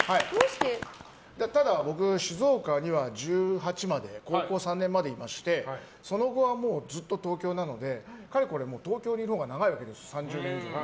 ただ僕、静岡には１８まで高校３年までいましてその後はずっと東京なのでかれこれ東京にいるほうが長いわけです、３０年以上。